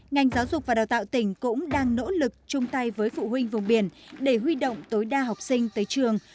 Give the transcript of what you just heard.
ngành giáo dục và đào tạo tỉnh cũng đang nỗ lực chung tay với phụ huynh vùng biển để huy động tối đa học sinh tới trường